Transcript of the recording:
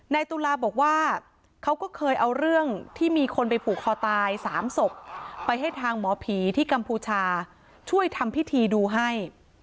ตุลาบอกว่าเขาก็เคยเอาเรื่องที่มีคนไปผูกคอตาย๓ศพไปให้ทางหมอผีที่กัมพูชาช่วยทำพิธีดูให้